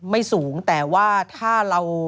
ไม่สูงแต่ว่าถ้าเรา